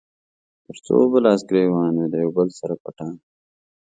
تر څو به لاس ګرېوان وي د يو بل سره پټانــه